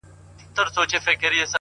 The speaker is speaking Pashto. خلاصوي سړی له دین او له ایمانه-